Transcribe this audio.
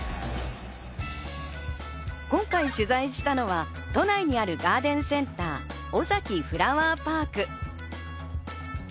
今回取材したのは都内にあるガーデンセンター、オザキフラワーパーク。